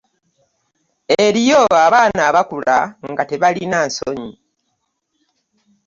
Eriyo abaana abakula nga tebalina nsonyi.